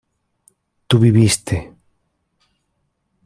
tú viviste